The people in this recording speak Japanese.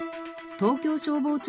東京消防庁